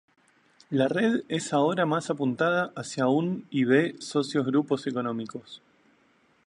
La red es ahora más apuntada hacia Un y B socio-grupos económicos.